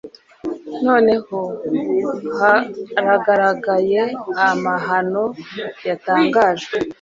Noneho haragaragaye amahano yatangajwe